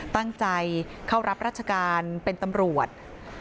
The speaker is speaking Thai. ตั้งใจเข้ารับราชการเป็นตำรวจ